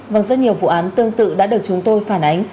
vâng rất nhiều vụ án tương tự đã được chúng tôi phản ánh